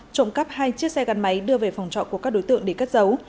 trộm cắp hai chiếc xe gắn máy đưa về phòng trọ của các đối tượng để cất giấu